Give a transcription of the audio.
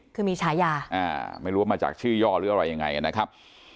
คือมีฉายาไม่รู้ว่ามาจากชื่อย่อหรืออะไรยังไงนะครับ